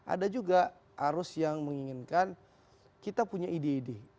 ada juga arus yang menginginkan kita punya ide ide